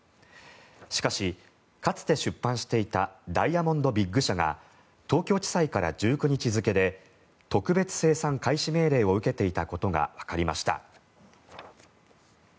しかし、かつて出版していたダイヤモンド・ビッグ社が東京地裁から１９日付で特別清算開始命令を受けていたことがわかりました。